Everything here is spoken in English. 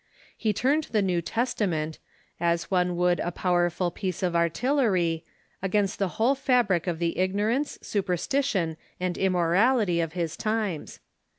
He turned the New Testament, as one would a powerful piece of artillery, against the whole fabric of the ignorance, superstition, and immorality of his times.